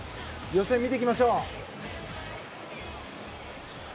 予選を見ていきましょう。